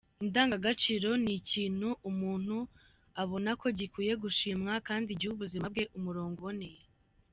Indangagaciro ni ikintu umuntu abona ko gikwiye gushimwa kandi giha ubuzima bwe umurongo uboneye.